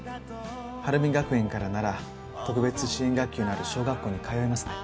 晴美学園からなら特別支援学級のある小学校に通えますね。